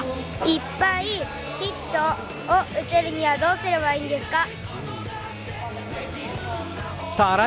いっぱいヒットを打ってるにはどうすればいいんですか？